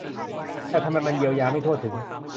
แต่ทำไมมันเยียวยาไม่ทั่วถึง